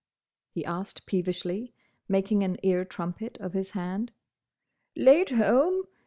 he asked peevishly, making an ear trumpet of his hand. "Late home?